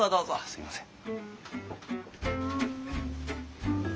すいません。